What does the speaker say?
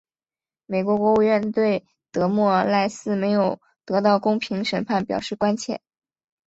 美国国务院对德莫赖斯没有得到公平审判表示关切。